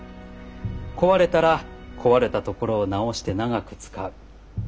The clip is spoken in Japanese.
壊れたら壊れたところを直して長く使う。